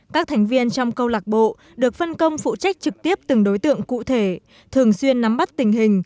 các thành viên trong câu lạc bộ được phân công phụ trách trực tiếp từng đối tượng cụ thể thường xuyên nắm bắt tình hình